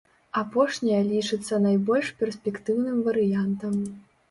Апошняя лічыцца найбольш перспектыўным варыянтам.